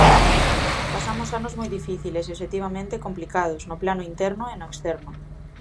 Pasamos anos moi difíciles e obxectivamente complicados, no plano interno e no externo.